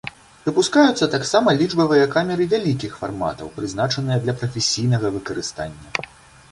Выпускаюцца таксама лічбавыя камеры вялікіх фарматаў, прызначаныя для прафесійнага выкарыстання.